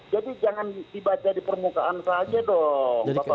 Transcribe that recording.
jadi jangan dibaca di permukaan saja dong